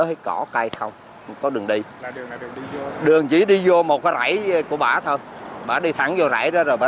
hết cỏ cây không có đường đi đường chỉ đi vô một cái rãi của bà thôi bà đi thẳng vô rãi đó rồi bà